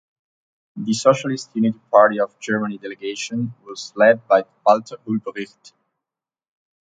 The Socialist Unity Party of Germany delegation was led by Walter Ulbricht.